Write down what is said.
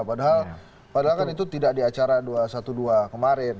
padahal kan itu tidak di acara dua ratus dua belas kemarin